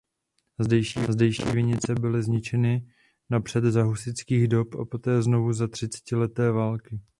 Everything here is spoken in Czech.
Zdejší vinice byly zničeny napřed za husitských dob a poté znovu za třicetileté války.